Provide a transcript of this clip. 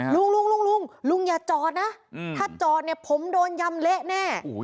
ลุงลุงอย่าจอดนะถ้าจอดเนี่ยผมโดนยำเละแน่